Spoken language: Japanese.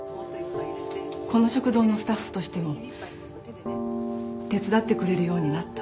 この食堂のスタッフとしても手伝ってくれるようになった。